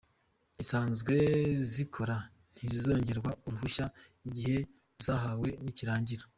Izisanzwe zikora, ntizizongererwa uruhushya igihe zahawe nikirangira".